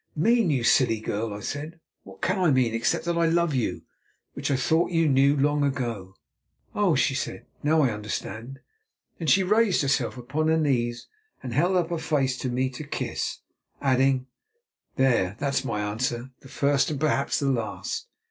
"Mean, you silly girl," I said; "what can I mean, except that I love you, which I thought you knew long ago." "Oh!" she said; "now I understand." Then she raised herself upon her knees, and held up her face to me to kiss, adding, "There, that's my answer, the first and perhaps the last.